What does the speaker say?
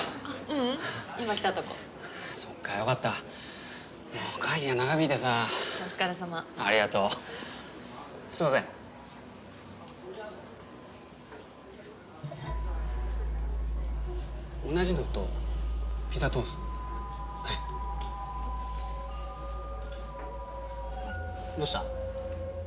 ううん今来たとこそっかよかった会議が長引いてさお疲れさまありがとうすいません同じのとピザトーストはいどうした？